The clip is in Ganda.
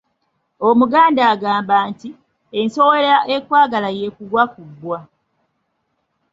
Omuganda agamba nti "ensowera ekwagala y'ekugwa ku bbwa".